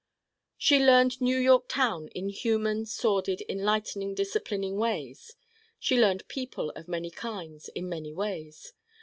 She learned New York town in human sordid enlightening disciplining ways. She learned people of many kinds in many ways.